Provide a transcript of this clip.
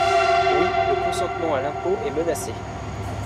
Oui, le consentement à l’impôt est menacé.